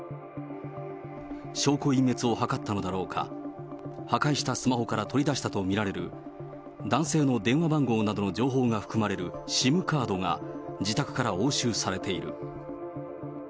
証拠隠滅を図ったのだろうか、破壊したスマホから取り出したと見られる、男性の電話番号などの情報が含まれるＳＩＭカードが自宅から押収されている。